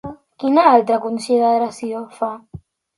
Quina altra consideració fa?